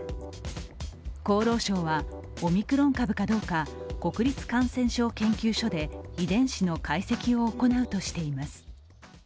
厚労省はオミクロン株かどうか、国立感染症研究所で遺伝子の解析を行うとしています。